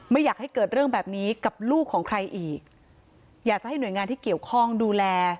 ไม่อยากให้เกิดเรื่องแบบนี้กับลูกของใครอีกอยากจะให้หน่วยงานที่เกี่ยวข้องดูแล